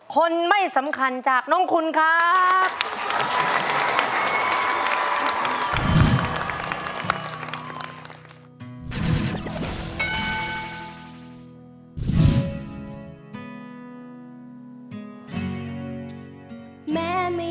คนไม่สำคัญจากน้องคุณครับ